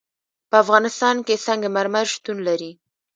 په افغانستان کې سنگ مرمر شتون لري.